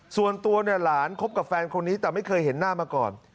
ส่วนตัวเนี่ยหลานคบกับแฟนคนนี้แต่ไม่เคยเห็นหน้ามาก่อน